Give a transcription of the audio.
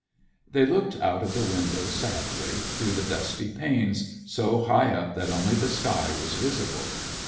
They looked out of the window sadly, through the dusty panes, so high up that only the sky was visible.